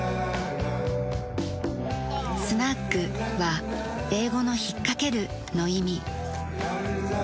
「スナッグ」は英語の「引っかける」の意味。